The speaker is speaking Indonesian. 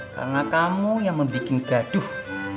karena kamu yang membuat gaduh